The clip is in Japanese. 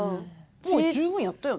もう十分やったよね。